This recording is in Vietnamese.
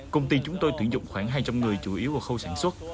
công ty chúng tôi tuyển dụng khoảng hai trăm linh người chủ yếu vào khâu sản xuất